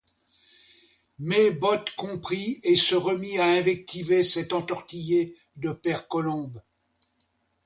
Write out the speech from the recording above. Mes-Bottes comprit et se remit à invectiver cet entortillé de père Colombe.